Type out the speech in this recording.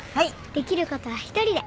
できることは一人で。